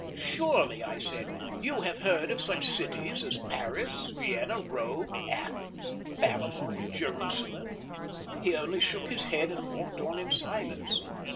"Surely," I said, "you have heard of such cities as Paris, Vienna, Rome, Athens, Babylon, Jerusalem?" He only shook his head, and walked on in silence.